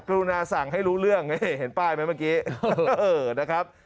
รุณาสั่งให้รู้เรื่องเห็นป้ายไหมเมื่อกี้นะครับ